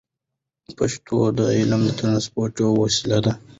پښتو د علم د ترانسپورت یوه وسیله ده.